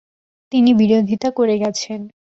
তিনি বিরোধিতা করে গেছেন।